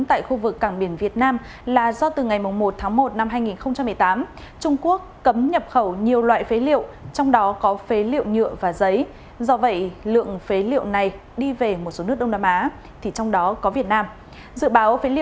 thực trạng mà việt nam mình mà nhập những cái phế liệu mà tràn an như vậy